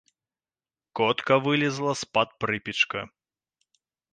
Котка вылезла з-пад прыпечка.